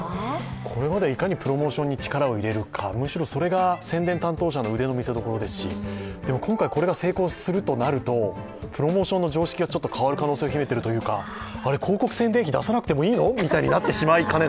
これまでいかにプロモーションに力を入れるか、むしろそれが宣伝担当者の腕の見せ所ですし、今回これが成功するとなると、プロモーションの常識が変わる可能性を秘めているというか、あれ、広告宣伝費出さなくてもいいの？ってなってしまう。